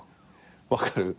分かる？